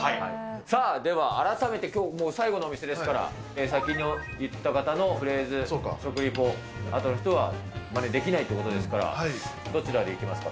さあでは、改めてきょう、もう最後のお店ですから、先に言った方のフレーズで食リポ、あとの人はまねできないということですから、どちらでいきますか？